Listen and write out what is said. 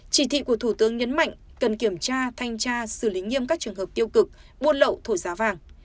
chỉ thị của thủ tướng nhấn mạnh cần kiểm tra thanh tra xử lý nghiêm các trường hợp tiêu cực buôn lậu thổi giá vàng